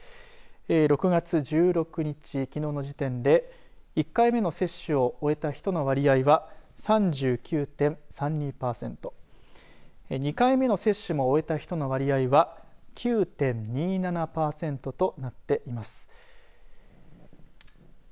６月１６日、きのうの時点で１回目の接種を終えた人の割合は３９．３２パーセント２回目の接種も終えた人の割合は９．２７パーセントとなっています。